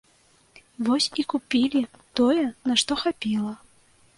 Вось і купілі тое, на што хапіла.